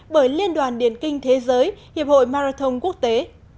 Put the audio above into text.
bởi liên đoàn điền kinh thế giới hiệp hội marathon quốc tế